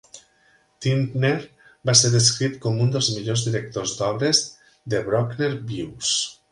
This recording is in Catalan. Tintner va ser descrit com un dels millors directors d'obres de Bruckner vius.